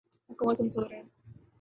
حکومت کمزور ہے۔